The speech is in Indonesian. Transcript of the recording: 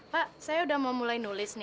pak saya udah mau mulai nulis nih